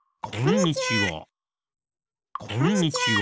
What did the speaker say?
こんにちは！